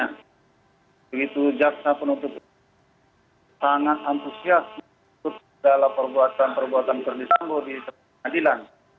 nah begitu jaksa penuntut sangat antusias dalam perbuatan perbuatan ferdisambo di adilan